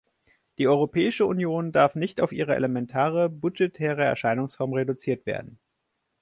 Die Europäische Union darf nicht auf ihre elementare, budgetäre Erscheinungsform reduziert werden.